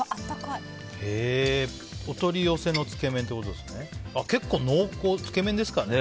へえ、お取り寄せのつけ麺ってことですね。